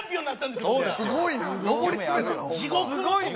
すごいな。